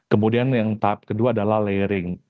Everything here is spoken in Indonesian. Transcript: kemudian yang tahap kedua adalah layering